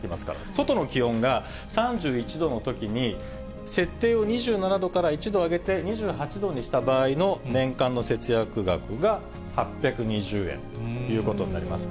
外の気温が３１度のときに、設定を２７度から１度上げて２８度にした場合の年間の節約額が８２０円ということになります。